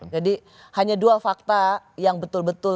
jadi hanya dua fakta yang betul betul